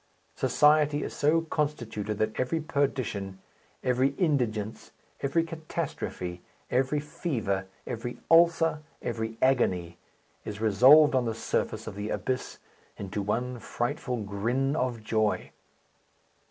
Society is so constituted that every perdition, every indigence, every catastrophe, every fever, every ulcer, every agony, is resolved on the surface of the abyss into one frightful grin of joy.